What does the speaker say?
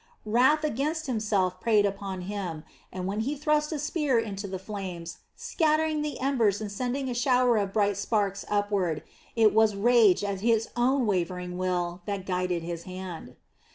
Wrath against himself preyed upon him, and when he thrust a spear into the flames, scattering the embers and sending a shower of bright sparks upward, it was rage at his own wavering will that guided his hand.